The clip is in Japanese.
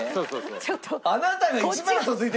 ちょっと。